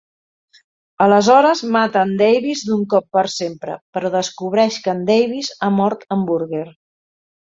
Aleshores mata en Davis d'un cop per sempre, però descobreix que en Davis ha mort en Burger.